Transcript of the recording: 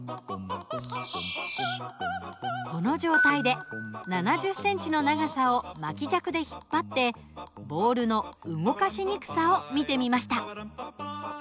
この状態で７０センチの長さを巻き尺で引っ張ってボールの動かしにくさを見てみました。